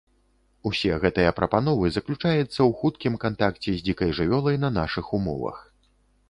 Усе гэтыя прапановы заключаецца ў хуткім кантакце з дзікай жывёлай на нашых умовах.